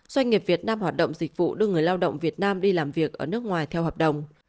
doanh nghiệp việt nam hoạt động dịch vụ đưa người lao động việt nam đi làm việc ở nước ngoài theo hợp đồng